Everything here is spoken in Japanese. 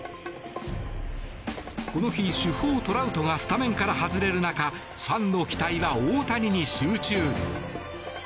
この日、主砲・トラウトがスタメンから外れる中ファンの期待は大谷に集中。